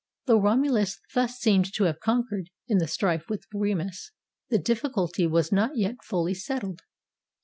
Though Romulus thus seemed to have conquered, in the strife with Remus, the difficulty was not yet fully settled.